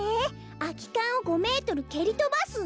「空き缶を５メートル蹴りとばす」？